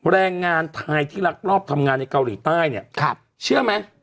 แรงงานไทยที่รักรอบทำงานในเกาหลีใต้เนี่ยเชื่อไหม